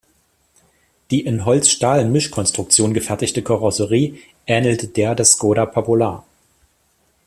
Die in Holz-Stahl-Mischkonstruktion gefertigte Karosserie ähnelte der des Škoda Popular.